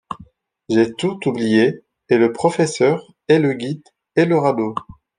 J’ai tout oublié, et le professeur, et le guide, et le radeau !